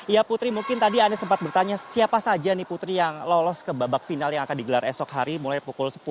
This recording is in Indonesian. ya putri mungkin tadi anda sempat bertanya siapa saja nih putri yang lolos ke babak final yang akan digelar esok hari mulai pukul sepuluh